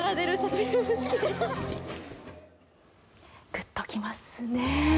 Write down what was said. グッと来ますね。